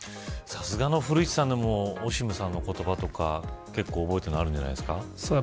さすがの古市さんでもオシムさんの言葉とか結構覚えているのあるんじゃないですか。